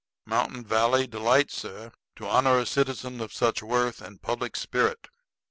Mountain Valley delights, sir, to honor a citizen of such worth and public spirit."